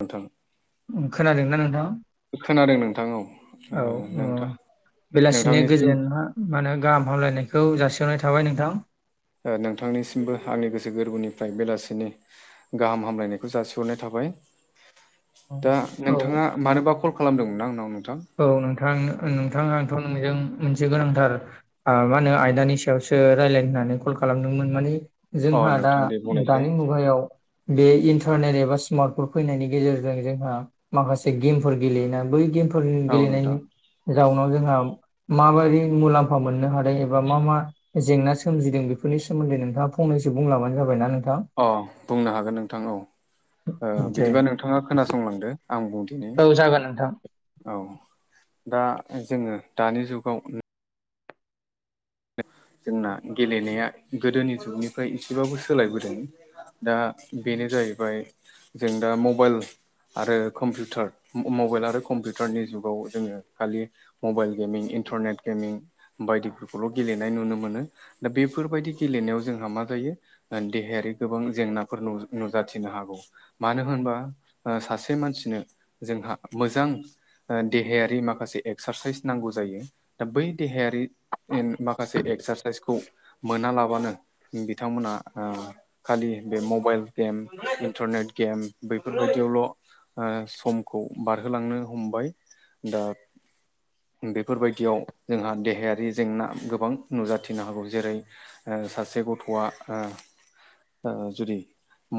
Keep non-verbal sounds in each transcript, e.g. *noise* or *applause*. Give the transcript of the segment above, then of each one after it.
नोंथां खोनादोंना नोंथां? खोनादों नोंथां औ। ओ औ ओ नोंथां बेलासिनि नोंथांनिसिम गोजोना मा होनो गाहाम हामलायनायखौ जासि हरनाय थाबाय नोंथां। ओ नोंथांनिसिमबो आंनि गोसो गोरबोनिफ्राय बेलासिनि गाहाम हामलायनायखौ जासिहरनाय थाबाय। औ दा औ नोंथाङा मानोबा कल खालामदोंमोन ना आंनाव नोंथां औ नोंथां नोंथाङाथ' नोंजों मोनसे गोनांथार मा होनो आयदानि सायावसो रायलाय होननानै कल खालामदोंमोन माने अ जोंहा दा नोंथां दे बुंनायसाय दानि मुगायाव बे इन्टारनेट एबा स्मार्टफन फैनायनि गेजेरजों जोंहा माखासे गेमफोर गेलेयोना बै गेमफोर औ नोंथां गेलेनायनि जाउनाव जोंहा माबायदि मुलाम्फा मोननो हादों एबा मा मा जेंना सोमजिदों बेफोरनि सोमोन्दै नोंथाङा फंनैसो बुंबानो जाबाय ना नोंथाङा अ बुंनो हागोन नोंथां औ दे बिदिबा नोंथाङा खोनासंलांदो आं बुं दौ जागोनथां औ दा जोङो दानि जुगाव जोंना गेलेनाया गोदोनि जुगनिफ्राय एसेबाबो सोलायबोदों दा बेनो जाहैबाय जों दा मबाइल आरो कम्पिउटार मबाइल आरो कम्पिउटारनि जुगाव जोङो खालि मबाइल गेमिं इन्टारनेट गेमिं बायदि ल' गेलेनाय नुनो मोनो दा बेफोरबायदि गेलेनायाव जोंहा मा जायो देहायारि गोबां जेंनाफोर नुजा नुजाथिनो हागौ। मानो होनोबा सासे मानसिनो जोंहा मोजां देहायारि माखासे एक्सारसाइस नांगौ जायो दा बै देहायारि माखासे एक्सारसाइसखौ मोनालाबानो बिथांमोना ओ खालि बे मबाइल गेम इन्टारनेट गेम बैफोरबायदियावल' ओ समखौ बारहोलांनो हमबाय दा बेफोरबायदियाव जोंहा देहायारि जेंना गोबां नुजाथिनो हागौ जेरै ओ सासे गथ'आ ओ ओ जुदि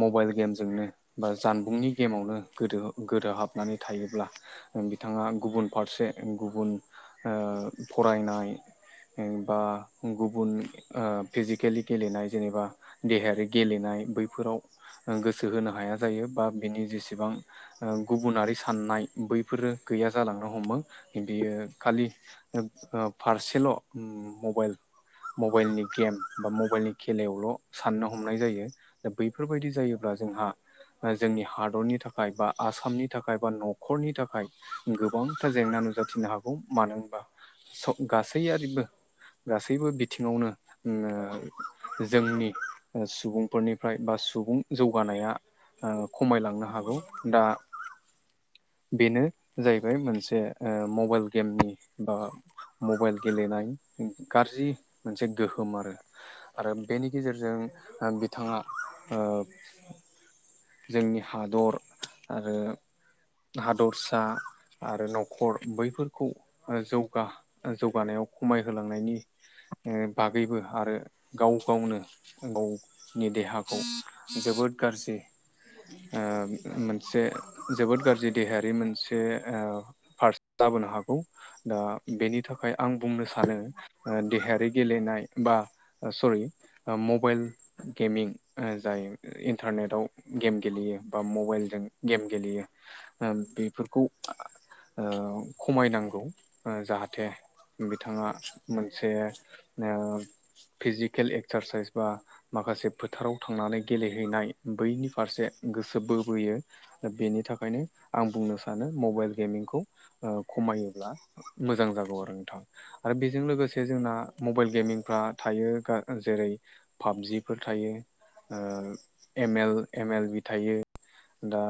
मबाइल गेमजोंनो बा जानबुंनि गेमावनो गोदो गोदोहाबनानै थायोब्ला बिथाङा गुबुन फारसे गुबुन ओ फरायनाय ओ बा गुबुन ओ फिजिकेलि गेलेनाय जेनेबा देहायारि गेलेनाय बैफोराव गोसो होनो हाया जायो बा बिनि जेसेबां गुबुनारि साननाय बैफोरो गैया जालांनो हमो बियो खालि ओ फारसेल' मबाइल मबाइलनि गेम बा मबाइलनि खेलायावल' साननो हमनाय जायो। दा बैफोरबायदि जायोब्ला जोंहा जोंनि हादरनि थाखाय बा आसामनि थाखाय बा न'खरनि थाखाय गोबांथार जेंना नुजाथिनो हागौ मानो होनबा गासैयारिबो गासैबो बिथिङावनो ओ जोंनि सुबुंफोरनिफ्राय बा सुबुं जौगानाया ओ खमायलांनो हागौ दा बेनो जाहैबाय मोनसे ओ मबाइल गेमनि बा मबाइल गेलेनाय गाज्रि मोनसे गोहोम आरो आरो बेनि गेजेरजों ओ बिथाङा ओ जोंनि हादर आरो हादरसा आरो न'खर बैफोरखौ जौगा जौगानायाव खमायहोलांनायनि ओ बागैबो आरो गाव गावनो गावनि देहाखौ जोबोद गाज्रि ओ मोनसे जोबोद गाज्रि देहायारि मोनसे फारसे लाबोनो हागौ दा बेनि थाख खाय आं बुंनो सानो देहायारि गेलेनाय बा सरि मबाइल गेमिं जायो इन्टारनेटाव गेम गेलेयो बा मबाइलजों गेम गेलेयो बेफोरखौ खमायनांगौ जाहाथे बिथाङा मोनसे ओ फिजिकेल एक्सारसाइस बा माखासे फोथाराव थांनानै गेलेहैनाय बैनि फारसे गोसो बोबोयो दा बेनि थाखायनो आं बुंनो सानो मबाइल गेमिंखौ ओ खमायोब्ला मोजां जागौ आरो। आरो बेजों लोगोसे जोंना मबाइल गेमिंफ्रा थायो जेरै पाबजिफोर थायो ओ M L M L B थायो दा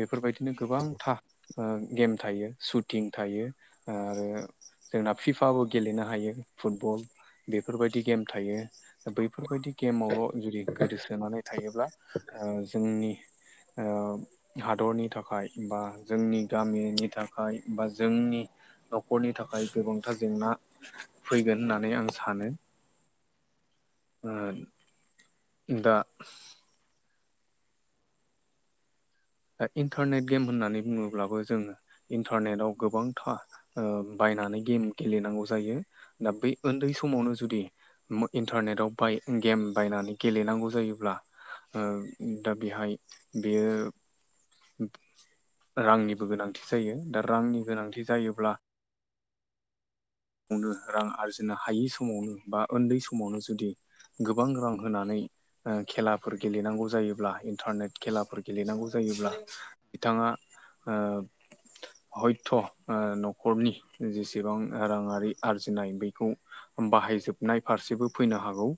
बेफोरबायदि बिदिनो गोबांथा ओ गेम थायो सुटिं थायो आरो जोंना फिफाबो गेलेनो हायो फुटबल बेफोरबायदि गेम थायो। दा बैफोरबायदि गेमावल' जुदि गोदोसोनानै थायोब्ला ओ जोंनि ओ हादरनि थाखाय बा जोंनि गामिनि थाखाय बा जोंनि न'खरनि थाखाय गोबांथार जेंना फैगोन होननानै आं सानो दा दा इन्टारनेट गेम होननानै बुङोब्लाबो जोङो इन्टारनेटआव गोबांथा बायनानै गेम गेलेनांगौ जायो दा बै उन्दै समावनो जुदि इन्टारनेटाव बाय गेम बायनानै गेलेनांगौ जायोब्ला दा बेहाय बेयो रांनिबो गोनांथि जायो दा रांनि गोनांथि जायोब्ला *inaudible* नो रां आरजिनो हायै समावनो बा उन्दै समावनो जुदि गोबां रां होनानै खेलाफोर गेलेनांगौ जायोब्ला इन्टारनेट खेलाफोर गेलेनांगौ जायोब्ला बिथाङा ओ हयथ' ओ न'खरनि जेसेबां राङारि आरजिनाय बेखौ बाहायजोबनाय फारसेबो फैनो हागौ।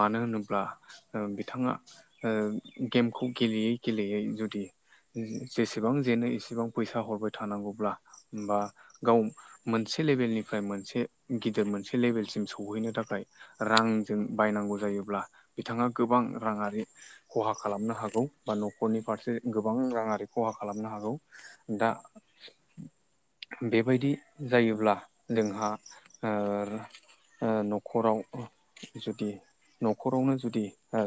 मानो होनोब्ला बिथाङा ओ गेमखौ गेलेयै गेलेयै जुदि जेसेबां जेनो एसेबां फैसा हरबाय थानांगौब्ला बा गाव मोनसे लेबेलनिफ्राय मोनसे गिदिर मोनसे लेभेलसिम सौहैनो थाखाय रांजों बायनांगौ जायोब्ला बिथाङा गोबां राङारि खहा खालामनो हागौ बा न'खरनि फारसे गोबां राङारि खहा खालामनो हागौ दा बेबायदि जायोब्ला जोंहा ओ न'खराव जुदि न'खरावनो जुदि ओ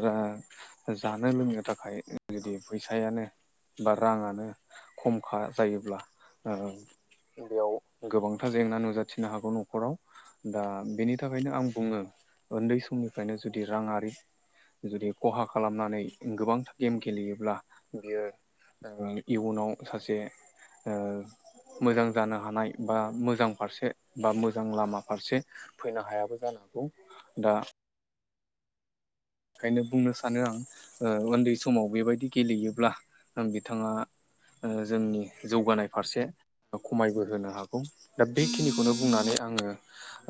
जानो लोंनो थाखाय जुदि फैसायानो बा राङानो खमखा जायोब्ला बेयाव गोबांथा जेंना नुजाथिनो हागौ न'खराव दा बेनि थाखायनो आं बुङो उन्दै समनिफ्रायनो जुदि राङारि जुदि खहा खालामनानै गोबांथा गेम गेलेयोब्ला बियो ओ इयुनाव सासे ओ मोजां जानो हानाय बा मोजां फारसे बा मोजां लामा फारसे फैनो हायाबो जानो हागौ दा ओंखायनो बुंनो सानो आं ओ उन्दै समाव बेबायदि गेलेयोब्ला आं बिथाङा ओ जोंनि जौगानाय फारसे खमायबो होनो हागौ दा बेखिनिखौनो बुंनानै आङो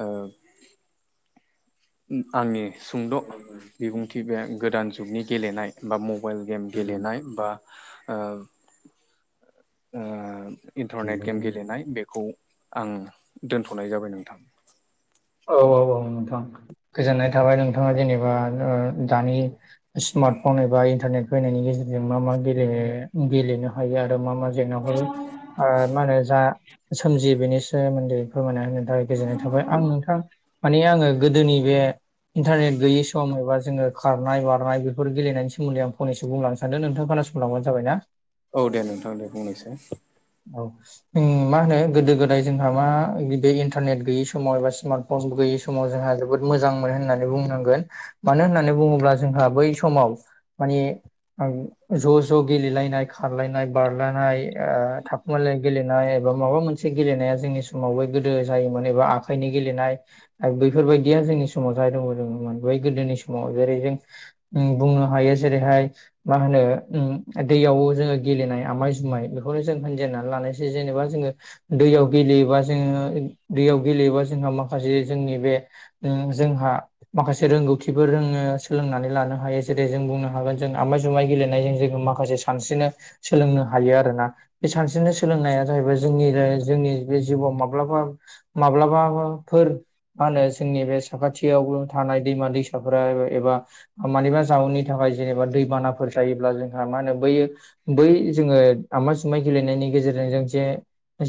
ओ आंनि सुंद' बिबुंथि बे गोदान जुगनि गेलेनाय बा मबाइल गेम नोंथां। गेलेनाय बा ओ ओ इन्टारनेट गेम गेलेनाय बेखौ आं दोनथ'नाय जाबाय नोंथां। औ औ औ नोंथां गोजोननाय थाबाय नोंथाङा जेनेबा दानि स्मार्ट फन एबा इन्टारनेट फैनायनि गेजेरजों मा मा गेले गेलेनो हायो आरो मा मा जेंनाफोर ओ मा होनो जा सोमजियो बेनि सोमोन्दै फोरमाना होगोन गोजोननाय थाबाय आं नोंथां माने आङो गोदोनि बे इन्टारनेट गैयि सम एबा जोङो खारनाय बारनाय बेफोर गेलनायनि सोमोन्दै आं फनैसो बुंलांनो सानदों नोंथां खोनासंलबानो जाबाय ना। औ दे नोंथां दे बुंनायसाय। औ। उम मा होनो गोदो गोदाय जोंहा मा बे इन्टारनेट गैयि समाव एबा स्मार्ट फन गैयि समाव जोंहा जोबोद मोजां मोन होननानै बुंनांगोन। मानो होननानै बुङोब्ला जोंहा बै समाव मानि आं ज' ज' गेलेलायनाय खारलायनाय बारलायनाय ओ थाब मालाय गेलेनाय एबा माबा मोनसे गेलेनाया जोंनि समावबो गोदो जायोमोन एबा आखाइनि गेलेनाय आरो बैफोरबायदिया जोंनि समाव जाय दंमोन बै गोदोनि समाव जेरै जों उम बुंनो हायो जेरैहाय मा होनो उम दैयाव जोङो गेलेनाय आमाय जुमाय बेखौनो जों होनजेननानै लानायसै जेनेबा जोङो दैयाव गेलेयोबा जोङो दैयाव गेलेयोबा जोंहा माखासे जोंनि बे उम जोंहा माखासे रोंगौथिफोर रोङो सोलोंनानै लानो हायो जेरै जों बुंनो हागोन जों आमाय जुमाय गेलेनायजों जोङो माखासे सानस्रिनो सोलोंनो हायो आरोना। बे सानस्रिनो सोलोंनाया जाहैबाय जोंनि जोंनि बे जिउआव माब्लाबा माब्लाबाबा फोर मा होनो जोंनि बे साखाथियाव थानाय दैमा दैसाफोरा एबा मानिबा जाउननि थाखाय जेनेबा दैबानाफोर जायोब्ला जोंहा मा होनो बैयो बै जोङो आमा जुमाइ गेलेनायनि गेजेरजों जों जे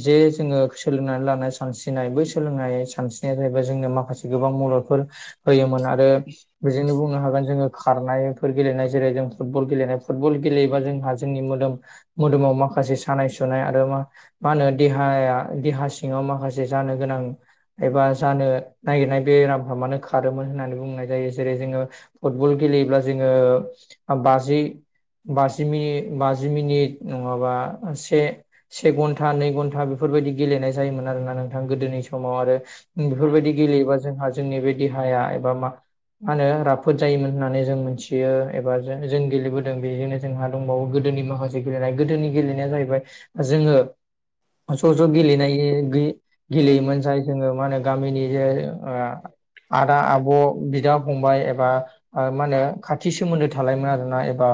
जे जोङो सोलोंनानै लानाय सानस्रिनाय बै सोलोंनाय सानस्रिनाया जाहैबाय जोंनो माखासे गोबां मददफोर होयोमोन आरो बेजोंनो बुंनो हागोन जोङो खारनायफोर गेलेनाय जेरै जों फुटबल गेलेनाय फुटबल गेलेयोबा जोंहा जोंनि मोदोम मोदोमाव माखासे सानाय सुनाय आरो मा मा होनो देहाया देहा सिङाव माखासे जानो गोनां एबा जानो नागिरनाय बेरामफा मानो खारोमोन होननानै बुंनाय जायो जेरै जोङो फुटबल गेलेयोब्ला जोङो बाजि बाजि मिनिट बाजि मिनिट नङाबा से से घन्टा नै घन्टा बेफोरबायदि गेलेनाय जायोमोन आरो ना नोंथां गोदोनि समाव आरो बेफोरबायदि गेलेयोबा जोंहा जोंनि बे देहाया एबा मा मा होनो राफोद जायोमोन होननानै जों मोनथियो एबा जों जों गेलेबोदों बेजोंनो जोंहा दंबावो गोदोनि माखासे गेलेनाय गोदोनि गेलेनाया जाहैबाय जोङो ज' ज' गेलेनाय गेलेयोमोन जाय जोङो मा होनो गामिनि जे ओ आदा आब' बिदा फंबाय एबा ओ मा होनो खाथि सोमोन्दो थालायोमोन आरोना एबा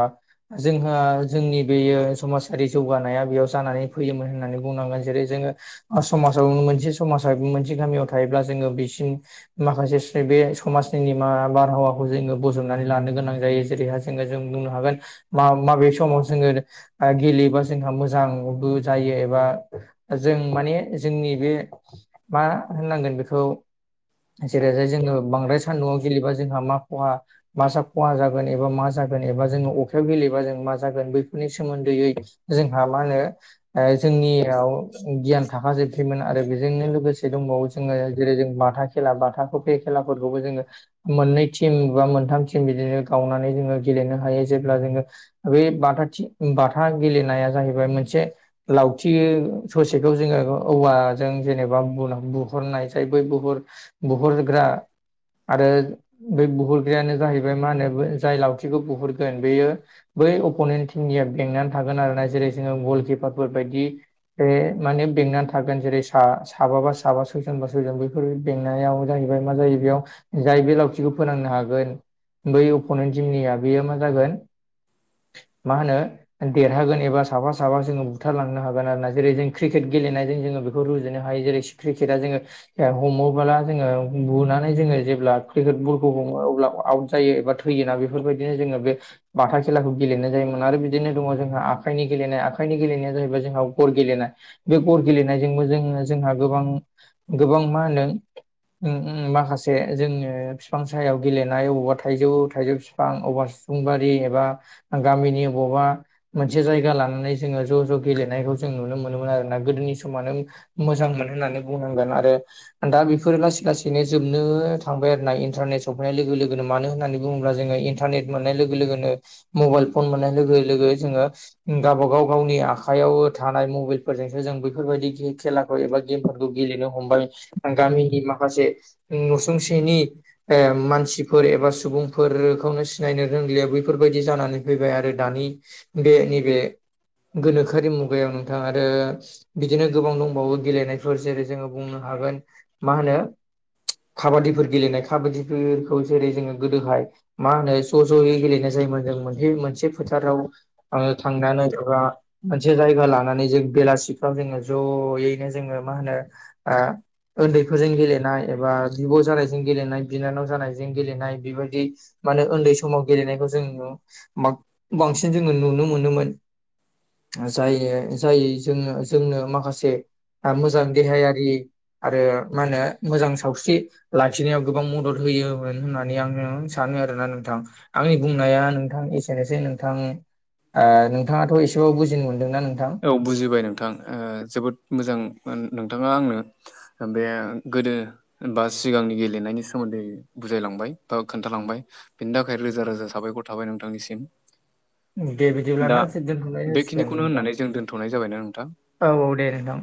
जोंहा जोंनि बेयो समाजारि जौगानाया बेयाव जानानै फैयोमोन होननानै बुंनांगोन जेरै जोङो ओ समाजाव मोनसे समाजा मोनसे गामियाव थायोब्ला जोङो बेसिम माखासे बे समाजनि निमाहा बारहावाखौ जोङो बजबनानै लानो गोनां जायो जेरैहाय जोङो जों बुंनो हागोन मा माबे समाव जोङो ओ गेलेयोबा जोंहा मोजांबो जायो एबा जों माने जोंनि बे मा होननांगोन बेखौ जेरैहाय जोङो बांद्राय सान्दुङाव गेलेबा जोंहा मा खहा मा सा खहा जागोन एबा मा जागोन एबा जोंङो अखायाव गेलेबा जों मा जागोन बैफोरनि सोमोन्दैयै जोंहा मा होनो ओ जोंनियाव गियान थाखा जोबसैमोन आरो बेजोंनो लोगोसे जे दंबावो जोङो जेरै जों बाथा खेला बाथाखौ बे खेलाफोरखौबो जोङो मोननै थिम बा मोनथाम थिम बिदिनो गावनानै जोङो गेलेनो हायो जेब्ला जोङो बे बाथाथि उम बाथा गेलेनाया जाहैबाय मोनसे लावथि ससेखौ जोङो औवाजों जेनेबा बुंनां बुहरनाय जाय बै बुहर बुहरग्रा आरो बै बुहरग्रायानो जाहैबाय मा होनो जाय लावथिखौ बुहुरगोन बेयो बै अप'नेन्ट टिमनिया बेंनानै थागोन आरो ना जेरै जोङो गलकिपारफोर बायदि बे माने बेंनानै थागोन जेरै सा-साबाबा साबा सयजन बा सयजन बेैफोर बेंनायाव जाहैबाय मा जायो बेयाव जाय बे लावथिखौ फोनांनो हागोन बै अपनेन्ट टिमनिया बेयो मा जागोन मा होनो देरहागोन एबा साफा साफा जोङो बुथारलांनो हागोन आरो ना जेरै जों क्रिकेट गेलेनायजों जोङो बेखौ रुजुनो हायो जेरै क्रिकेटआ जोङो हमोब्ला जोङो बुनानै जोङो जेब्ला क्रिकेट बलखौ हमो अब्ला आउट जायो एबा फैयोना बेफोरबायदिनो जोङो बे बाथा खेलाखौ गेलेनाय जायोमोन आरो बिदिनो दंङ जोंहा आखाइनि गेलेनाय आखाइनि गेलेनाया जाहैबाय जोंहा गर गेलेनाय। बे गर गेलेनायजोंबो जोङो जोंहा गोबां गोबां मा होनो उम उम माखासे जोङो बिफां सायायाव गेलेनाय अबावबा थाइजौ थाइजौ बिफां अबबा फुंबारि एबा गामिनि अबावबा मोनसे जायगा लानानै जोङो ज' ज' गेलेनायखौ जों नुनो मोनोमोन आरोना गोदोनि समानो मोजां मोन होननानै बुंनांगोन आरो दा बेफोरो लासै लासैनो जोबनो थांबाय आरोना इन्टारनेट सफैनाय लोगो लोगोनो मानो होननानै बुंङोब्ला जोङो इन्टारनेट मोननाय लोगो लोगोनो मबाइल फन मोननाय लोगो लोगो जोङो उम गावबाागाव गावनि आखायाव थानाय मबाइलफोरजोंसो जों बेफोरबायदि खेलाखौ एबा गेम फोर गेलेनो हमबाय गामिनि माखासे नसुंसेनि ओ मानसिफोर एबा सुबुंफोरखौनो सिनायनो रोंलिया बैफोरबायदि जानानै फैबाय आरो दानि बे नैबे गोनोखोआरि मुगायाव दा आरो बिदिनो गोबां दंबावो गेलेनाय फोर जेरै जोंङो बुंनो हागोन मा होनो खाबादिफोर गेलेनाय खाबादिफोरखौ जेरै जोङो गोदोहाय मा होनो ज' ज'यै गेलेनाय जायोमोन जों मोनसे मोनसे फोथाराव आं थांनानै रा मोनसे जायगा लानानै जों बेलासिफ्राव जोङो जयैनो जोङो मा होनो ओ उन्दैफोरजों गेलेनाय एबा बिब' जानायजों गेलेनाय बिनानाव जानायजों गेलेनाय बेबायदि मानो उन्दै समाव गेलेनायखौ जों बांसिन जोङो नुनो मोनोमोन। जायै जाय जोङो जोंनो माखासे मोजां देहायारि आरो मा होनो मोजां सावस्रि लाखिनायाव गोबां मदद होयोमोन होननानै आङो सानो आरोना नोंथां। आंनि बुंनाया नोंथां एसेनोसै नोंथां। ओ नोंथाङाथ' एसेबो बुजिनो मोन्दोंना नोंथां? औ बुजिबाय नोंथां ओ जोबोद मोजां नोंथांङा आंनो ओमफाय आं गोदो बा सिगांनि गेलेनायनि सोमोन्दै बुजायलांबाय बा खोन्थालांबाय। बेनि थाखाय रोजा रोजा साबायखर थाबाय नोंथांनिसिम। दे दा बिदिब्लाना दोनथ'नाय जासिगोन बेखिनिखौनो नोंथां। होननानै जों दोनथ'नाय जाबायना नोंथां। औ औ दे ओंथां।